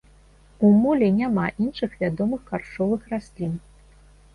У молі няма іншых вядомых харчовых раслін.